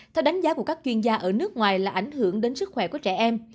theo đánh giá của các chuyên gia ở nước ngoài là ảnh hưởng đến sức khỏe của trẻ em